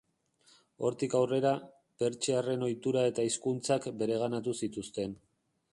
Hortik aurrera, pertsiarren ohitura eta hizkuntzak bereganatu zituzten.